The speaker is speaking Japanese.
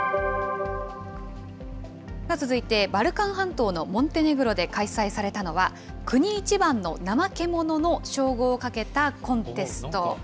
続いて、バルカン半島のモンテネグロで開催されたのは、国いちばんの怠け者の称号をかけたコンテスト。